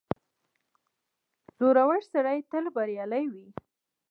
• زړور سړی تل بریالی وي.